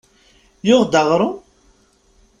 Yuɣ-d aɣrum?